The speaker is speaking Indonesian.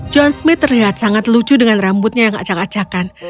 john smith terlihat sangat lucu dengan rambutnya yang acak acakan